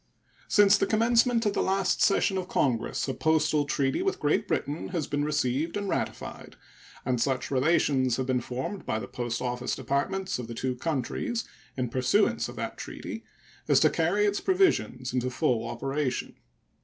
Since the commencement of the last session of Congress a postal treaty with Great Britain has been received and ratified, and such relations have been formed by the post office departments of the two countries in pursuance of that treaty as to carry its provisions into full operation.